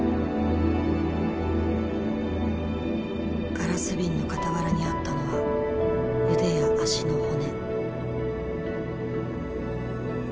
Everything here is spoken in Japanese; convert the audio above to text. ガラス瓶の傍らにあったのは腕や脚の骨。